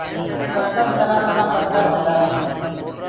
ڪڪر سنهآ سنهآ پٿر هوندآ هينٚ۔